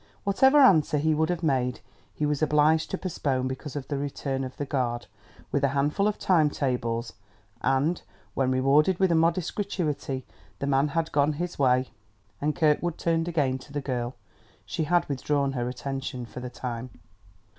Whatever answer he would have made he was obliged to postpone because of the return of the guard, with a handful of time tables; and when, rewarded with a modest gratuity, the man had gone his way, and Kirkwood turned again to the girl, she had withdrawn her attention for the time.